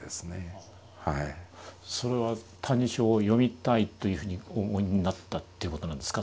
それは「歎異抄」を読みたいというふうにお思いになったということなんですか？